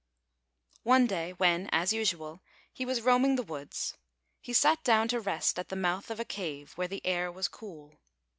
One da}^' when, as usual, he was roaming the woods, he sat down to rest at the mouth of a cave where the air was cool.